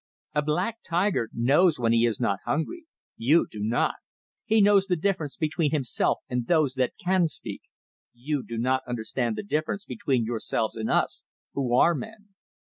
A black tiger knows when he is not hungry you do not. He knows the difference between himself and those that can speak; you do not understand the difference between yourselves and us who are men.